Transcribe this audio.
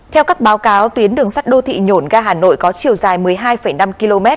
theo các báo cáo tuyến đường sắt đô thị nhổn ga hà nội có chiều dài một mươi hai năm km